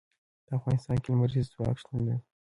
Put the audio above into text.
په افغانستان کې لمریز ځواک شتون لري.